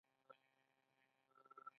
• د غره پر سر یو څو شېبې کښېنه.